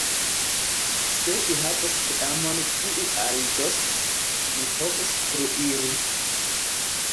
Se vi havos teamon kiu aliĝos, ni povos pluiri.